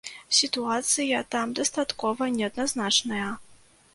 Сітуацыя там дастаткова неадназначная.